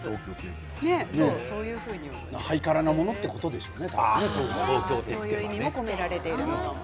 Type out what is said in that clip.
ハイカラなものということでしょうね。